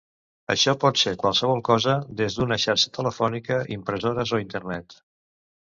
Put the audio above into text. Això pot ser qualsevol cosa des d'una xarxa telefònica, impressores, o Internet.